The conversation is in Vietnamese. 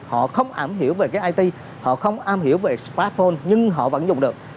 họ không ảm hiểu về cái it họ không ảm hiểu về smartphone nhưng họ vẫn dùng được